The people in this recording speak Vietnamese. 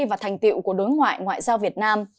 và thành tiệu của đối ngoại ngoại giao việt nam